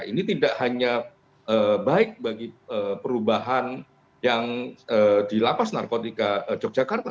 ini tidak hanya baik bagi perubahan yang di lapas narkotika yogyakarta